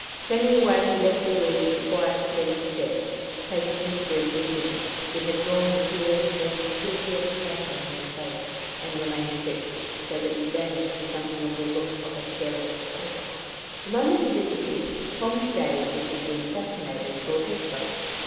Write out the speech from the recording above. Turning away, he left the room with a quiet, steady step, taking his grin with him: it had drawn the clear, scanty skin yet tighter on his face, and remained fixed; so that he vanished with something of the look of a hairless tiger. The moment he disappeared, Tom's gaze, which had been fascinated, sought Hesper.